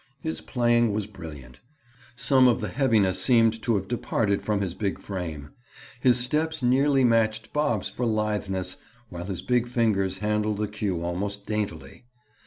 His playing was brilliant. Some of the heaviness seemed to have departed from his big frame. His steps nearly matched Bob's for litheness while his big fingers handled the cue almost daintily.